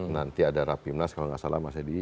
nanti ada rapimnas kalau nggak salah mas edi